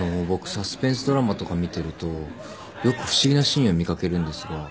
サスペンスドラマとか見てるとよく不思議なシーンを見掛けるんですが。